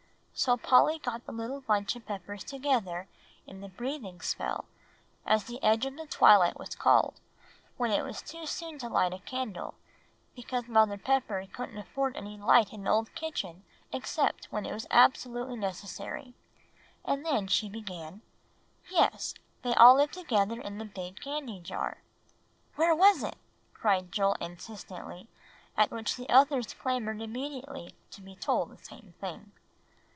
So Polly got the little bunch of Peppers together in "the breathing spell," as the edge of the twilight was called, when it was too soon to light a candle, because mother Pepper couldn't afford any light in the old kitchen except when it was absolutely necessary; and then she began: "Yes, they all lived together in the big candy jar." "Where was it?" cried Joel insistently, at which the others clamored immediately to be told the same thing.